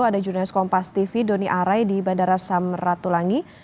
ada jurnalis kompas tv doni arai di bandara samratulangi